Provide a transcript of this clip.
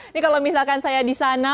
ini kalau misalkan saya di sana